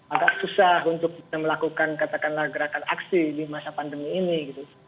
agak susah untuk melakukan katakanlah gerakan aksi di masa pandemi ini gitu